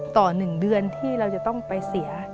๑เดือนที่เราจะต้องไปเสีย